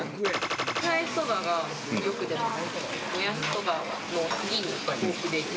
貝そばがよく出ます。